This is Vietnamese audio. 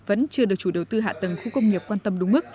vẫn chưa được chủ đầu tư hạ tầng khu công nghiệp quan tâm đúng mức